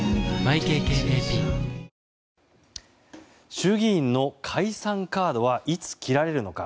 衆議院の解散カードはいつ切られるのか。